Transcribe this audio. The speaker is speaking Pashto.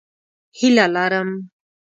هیله لرم